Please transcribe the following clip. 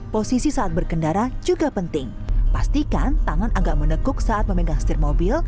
posisi saat berkendara juga penting pastikan tangan agak menekuk saat memegang setir mobil